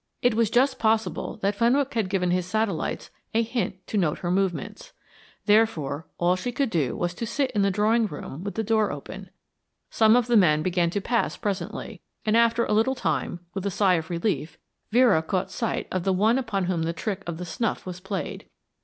It was just possible that Fenwick had given his satellites a hint to note her movements. Therefore, all she could do was to sit in the drawing room with the door open. Some of the men began to pass presently, and after a little time, with a sigh of relief, Vera caught sight of the one upon whom the trick of the snuff was played.